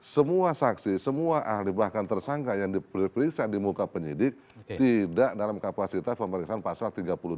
semua saksi semua ahli bahkan tersangka yang diperiksa di muka penyidik tidak dalam kapasitas pemeriksaan pasal tiga puluh dua